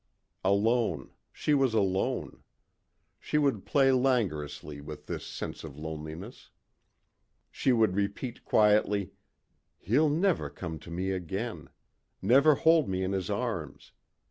Alone ... she was alone. She would play langorously with this sense of loneliness. She would repeat quietly, "He'll never come to me again. Never hold me in his arms.